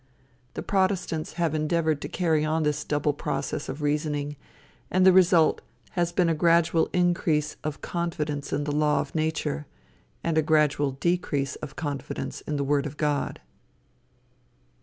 The protestants have endeavored to carry on this double process of reasoning, and the result has been a gradual increase of confidence in the law of nature, and a gradual decrease of confidence in the word of God.